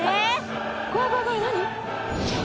「怖い怖い怖い！何？」